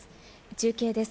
中継です。